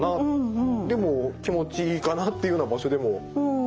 でも気持ちいいかなっていうような場所でもあります。